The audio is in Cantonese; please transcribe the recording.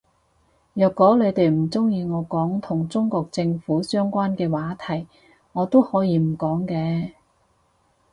若果你哋唔鍾意我講同中國政府相關嘅話題我都可以唔講嘅